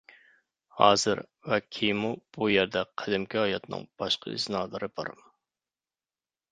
ھازىر ۋە كېيىنمۇ بۇ يەردە قەدىمكى ھاياتنىڭ باشقا ئىزنالىرى بار.